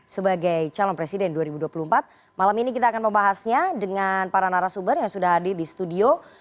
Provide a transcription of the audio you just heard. sebagai calon presiden dua ribu dua puluh empat malam ini kita akan membahasnya dengan para narasumber yang sudah hadir di studio